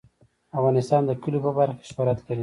افغانستان د کلیو په برخه کې شهرت لري.